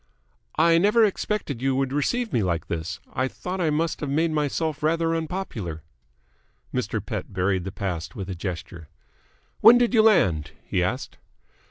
"I never expected you would receive me like this. I thought I must have made myself rather unpopular." Mr. Pett buried the past with a gesture. "When did you land?" he asked.